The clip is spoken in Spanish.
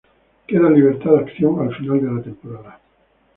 Queda en libertad de acción al final de la temporada.